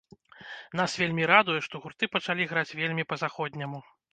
Нас вельмі радуе, што гурты пачалі граць вельмі па-заходняму.